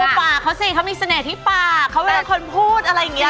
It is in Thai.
ดูปากเขาสิเขามีเสน่หะที่ปากเขาเป็นคนพูดอะไรเงี้ย